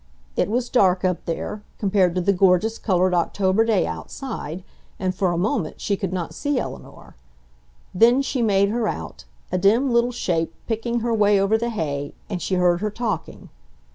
It was dark up there, compared to the gorgeous colored October day outside, and for a moment she could not see Eleanor. Then she made her out, a dim little shape, picking her way over the hay, and she heard her talking.